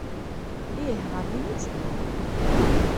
Ih, ɣer din i tedduɣ.